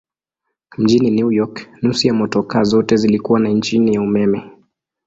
Mjini New York nusu ya motokaa zote zilikuwa na injini ya umeme.